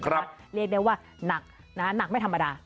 เรียกได้ว่าหนักไม่ธรรมดา